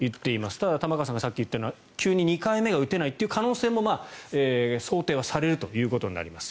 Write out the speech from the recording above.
ただ、玉川さんがさっき言ったような急に２回目が打てないという可能性も想定はされるということになります。